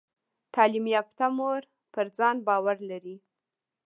تعلیم یافته مور پر ځان باور لري۔